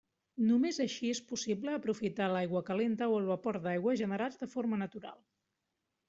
Només així és possible aprofitar l'aigua calenta o el vapor d'aigua generats de forma natural.